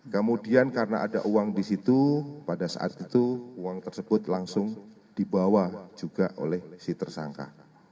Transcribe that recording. kemudian karena ada uang di situ pada saat itu uang tersebut langsung dibawa juga oleh si tersangka